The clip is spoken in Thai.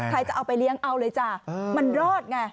จะเอาไปเลี้ยงเอาเลยจ้ะมันรอดไง